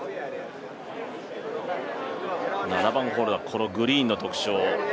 ７番ホールのグリーンの特徴。